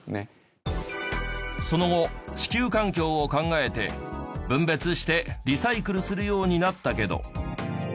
その後地球環境を考えて分別してリサイクルするようになったけど。